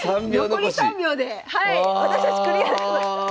残り３秒で私たちクリアでございます！